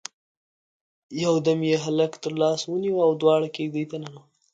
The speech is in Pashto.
يودم يې هلک تر لاس ونيو او دواړه کېږدۍ ته ننوتل.